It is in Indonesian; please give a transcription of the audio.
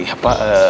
ya allah selalu